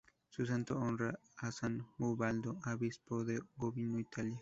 Su santo honra a San Ubaldo, obispo de Gubbio, Italia.